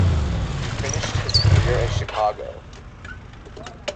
He finished his career in Chicago.